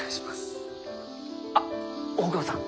あっ大窪さん